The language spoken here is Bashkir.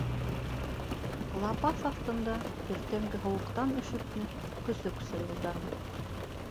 Лапаҫ аҫтында, иртәнге һыуыҡтан өшөпмө, көсөк сыйылданы.